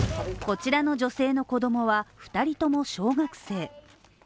こちらの女性の子供は２人とも小学生。